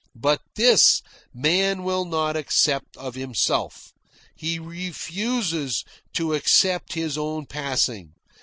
But this, man will not accept of himself. He refuses to accept his own passing.